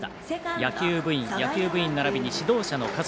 野球部員野球部員ならびに指導者の家族。